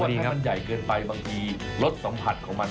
มันใหญ่เกินไปบางทีรสสัมผัสของมัน